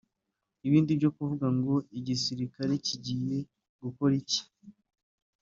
Ibindi byo kuvuga ngo igisirikare kigiye gukora iki